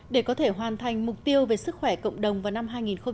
để có thể hoàn thành mục tiêu về sức khỏe cộng đồng vào năm hai nghìn ba mươi